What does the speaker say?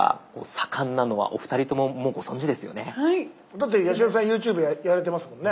だって八代さんＹｏｕＴｕｂｅやられてますもんね。